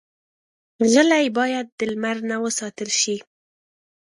غلۍ باید د لمر نه وساتل شي.